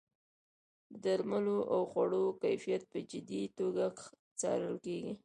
د درملو او خوړو کیفیت په جدي توګه څارل کیږي.